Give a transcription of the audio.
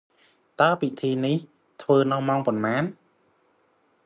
តើពិធីធ្វើនៅម៉ោងប៉ុន្មាន?